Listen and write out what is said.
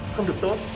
không được tốt